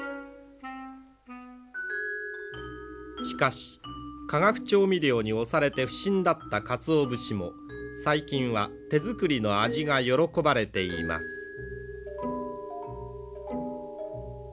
しかし化学調味料に押されて不振だったかつお節も最近は手作りの味が喜ばれています。